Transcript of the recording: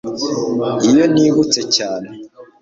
iyo nibutse cyane